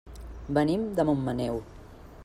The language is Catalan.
Venim de Montmaneu.